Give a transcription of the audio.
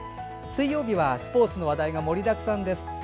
水曜日は、スポーツの話題が盛りだくさんです。